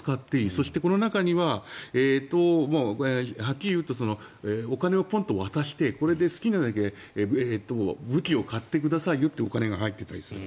そしてこの中にははっきり言うとお金をポンと渡してこれで好きなだけ武器を買ってくださいよってお金が入っていたりする。